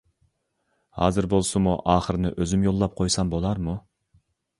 ھازىر بولسىمۇ ئاخىرىنى ئۆزۈم يوللاپ قويسام بولارمۇ؟ !